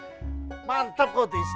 hei mantap kotis